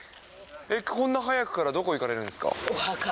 こんな早くからどこ行かれるんでお墓。